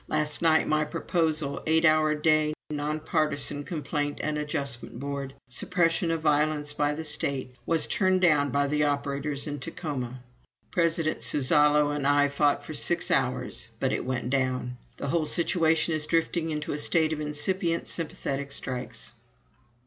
Last night my proposal (eight hour day, non partisan complaint and adjustment board, suppression of violence by the state) was turned down by the operators in Tacoma. President Suzzallo and I fought for six hours but it went down. The whole situation is drifting into a state of incipient sympathetic strikes."